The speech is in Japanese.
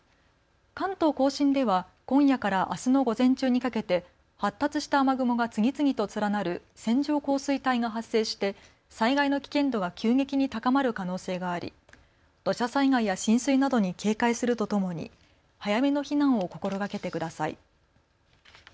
関東甲信では今夜からあすの午前中にかけて発達した雨雲が次々と連なる線状降水帯が発生して災害の危険度が急激に高まる可能性があり土砂災害や浸水などに警戒するとともに早めの避難を心がけてください。